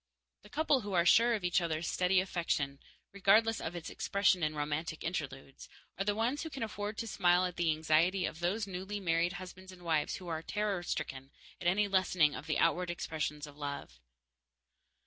The couple who are sure of each other's steady affection, regardless of its expression in romantic interludes, are the ones who can afford to smile at the anxiety of those newly married husbands and wives who are terror stricken at any lessening of the outward expressions of love.